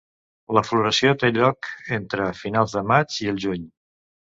La floració té lloc entre finals de maig i el juny.